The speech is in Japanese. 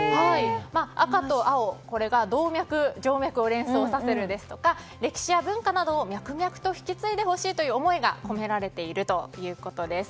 赤と青が動脈、静脈を連想させるですとか歴史や文化などを脈々と引き継いでほしいという思いが込められているということです。